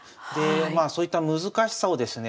まあそういった難しさをですね